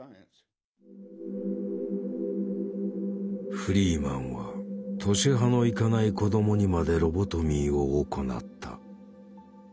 フリーマンは年端の行かない子どもにまでロボトミーを行った。